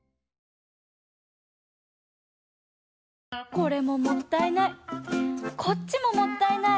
これももったいない。